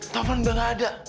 taufan udah gak ada